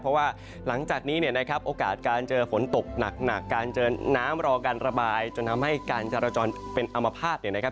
เพราะว่าหลังจากนี้เนี่ยนะครับโอกาสการเจอฝนตกหนักการเจอน้ำรอการระบายจนทำให้การจราจรเป็นอมภาพเนี่ยนะครับ